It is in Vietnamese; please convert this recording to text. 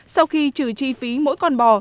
sau khi trừ chi phí mỗi con bò